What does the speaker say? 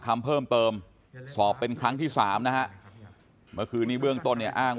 คำเพิ่มเติมสอบเป็นครั้งที่สามนะฮะเมื่อคืนนี้เบื้องต้นเนี่ยอ้าง